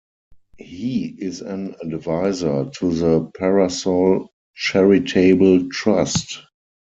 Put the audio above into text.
He is an advisor to the Parasol Charitable Trust.